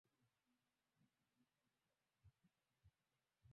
kupanuka hasa kwa kutwaa sehemu za milki ya